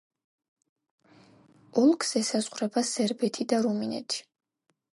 ოლქს ესაზღვრება სერბეთი და რუმინეთი.